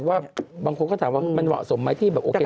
ว่าบางคนก็ถามว่ามันเหมาะสมไหมที่แบบโอเค